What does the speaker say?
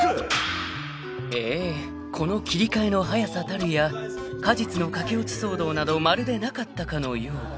［ええこの切り替えの早さたるや過日の駆け落ち騒動などまるでなかったかのよう］